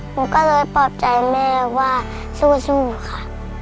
หนูก็เลยปลอบใจแม่ว่าสู้ค่ะ